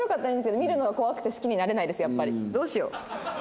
どうしよう。